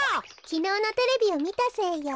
きのうのテレビをみたせいよ。